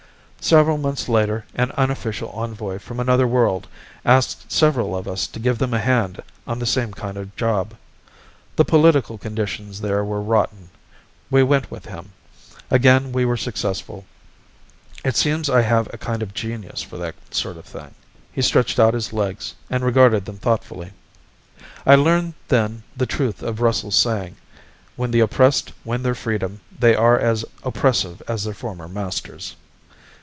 Several months later an unofficial envoy from another world asked several of us to give them a hand on the same kind of job. The political conditions there were rotten. We went with him. Again we were successful. It seems I have a kind of genius for that sort of thing." He stretched out his legs and regarded them thoughtfully. "I learned then the truth of Russell's saying: 'When the oppressed win their freedom they are as oppressive as their former masters.'